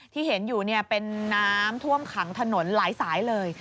ที่เห็นอยู่เป็นน้ำท่วมขังถนนหลายสายเลย